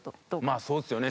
まあそうですよね。